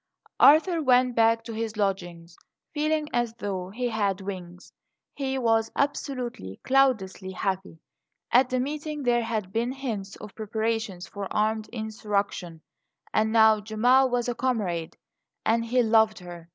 ARTHUR went back to his lodgings feeling as though he had wings. He was absolutely, cloudlessly happy. At the meeting there had been hints of preparations for armed insurrection; and now Gemma was a comrade, and he loved her.